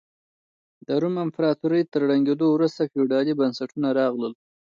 د روم امپراتورۍ تر ړنګېدو وروسته فیوډالي بنسټونه راغلل.